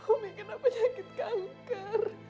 umi kenapa nyakit kanker